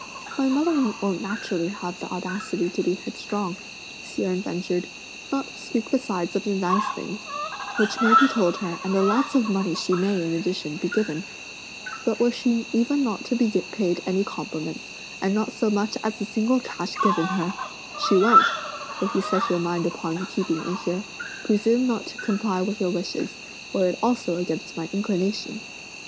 "My mother won't naturally have the audacity to be headstrong!" Hsi Jen ventured, "not to speak besides of the nice things, which may be told her and the lots of money she may, in addition, be given; but were she even not to be paid any compliments, and not so much as a single cash given her, she won't, if you set your mind upon keeping me here, presume not to comply with your wishes, were it also against my inclination.